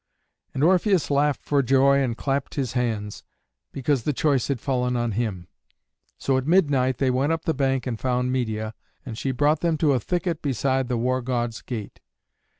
And Orpheus laughed for joy and clapped his hands, because the choice had fallen on him. So at midnight they went up the bank and found Medeia, and she brought them to a thicket beside the War god's gate.